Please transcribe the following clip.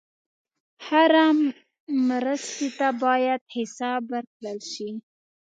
هره مرستې ته باید حساب ورکړل شي.